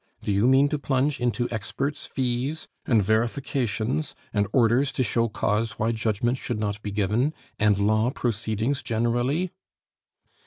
Do you mean to plunge into experts' fees and verifications, and orders to show cause why judgment should not be given, and law proceedings generally?"